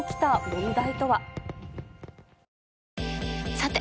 さて！